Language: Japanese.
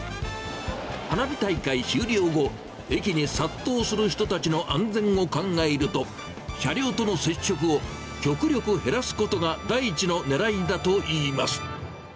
花火大会終了後、駅に殺到する人たちの安全を考えると、車両との接触を極力減らすことが第一のねらいだといいます。